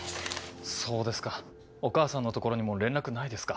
そうですかお義母さんの所にも連絡ないですか。